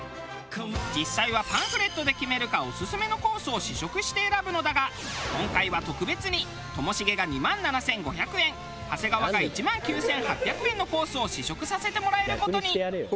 実際はパンフレットで決めるかオススメのコースを試食して選ぶのだが今回は特別にともしげが２万７５００円長谷川が１万９８００円のコースを試食させてもらえる事に。